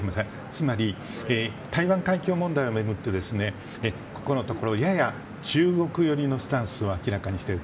つまり、台湾海峡問題を巡ってここのところやや中国寄りのスタンスを明らかにしている。